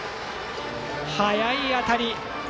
速い当たり。